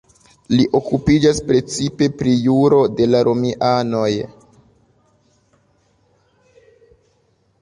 Li okupiĝas precipe pri juro de la romianoj.